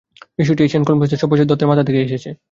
বিষয়টি এশিয়ান কনফ্লুয়েনসের সব্যসাচী দত্তের মাথা থেকেই এসেছে।